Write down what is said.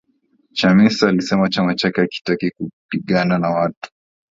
Chamisa alisema chama chake hakitaki kupigana na watu